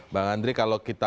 bang andri kalau kita